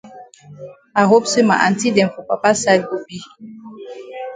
I hope say ma aunty dem for papa side go be.